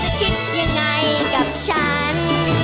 คิดยังไงกับฉัน